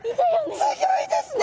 すギョいですね！